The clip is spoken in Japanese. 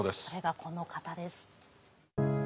それがこの方です。